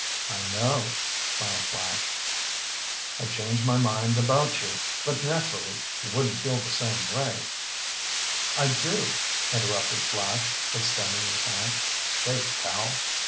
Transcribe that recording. "I know," smiled Flash. "I've changed my mind about you. But naturally you wouldn't feel the same way—" "I do," interrupted Flash, extending his hand. "Shake, pal."